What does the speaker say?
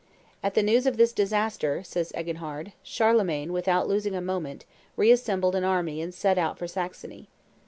"At news of this disaster," says Eginhard, "Charlemagne, without losing a moment, re assembled an army and set out for Saxony.